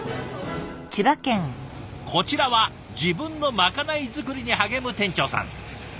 こちらは自分のまかない作りに励む店長さん。